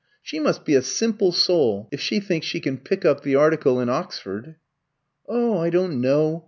She must be a simple soul if she thinks she can pick up the article in Oxford." "Oh, I don't know.